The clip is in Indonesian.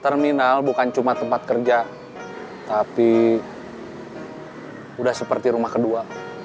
terminal bukan cuma tempat kerja tapi udah seperti rumah kedua